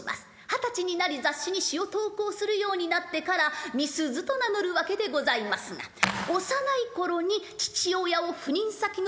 二十歳になり雑誌に詩を投稿するようになってからみすゞと名乗るわけでございますが幼い頃に父親を赴任先の中国で亡くしております。